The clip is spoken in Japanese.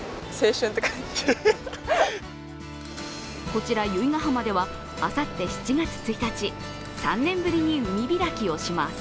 こちら由比ヶ浜ではあさって７月１日、３年ぶりに海開きをします。